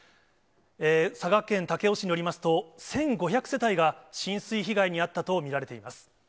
佐賀県武雄市によりますと、１５００世帯が浸水被害に遭ったと見られています。